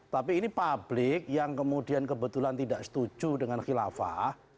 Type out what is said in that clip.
tapi ini publik yang kemudian kebetulan tidak setuju dengan khilafah